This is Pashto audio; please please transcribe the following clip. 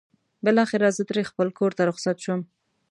بالاخره زه ترې خپل کور ته رخصت شوم.